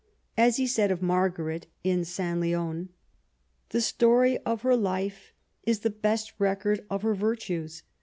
As he says of Marguerite in St. Leon, The story of her life is the best record of her virtues.